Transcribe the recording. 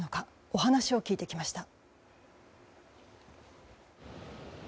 お話を聞いてきました。